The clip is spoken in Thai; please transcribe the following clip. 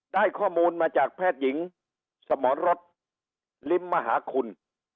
ได้ข้อมูลมาจากแพทย์หญิงสมรรสลิมมหาคุณ